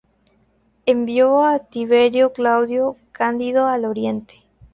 Envió a Tiberio Claudio Candido al oriente.